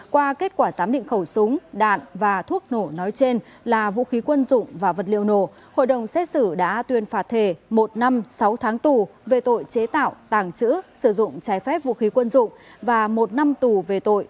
qua kết quả giám định khẩu súng đạn và thuốc nổ nói trên là vũ khí quân dụng và vật liệu nổ hội đồng xét xử đã tuyên phạt thể một năm sáu tháng tù về tội chế tạo tàng trữ sử dụng trái phép vũ khí quân dụng và một năm tù về tội